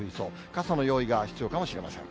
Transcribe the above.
傘の用意が必要かもしれません。